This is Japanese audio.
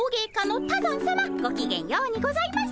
ごきげんようにございます。